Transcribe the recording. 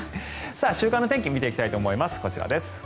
週間の天気見ていきたいと思います。